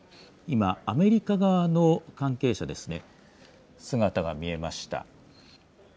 今、アメリカ側の関係者ですね、姿が見えました。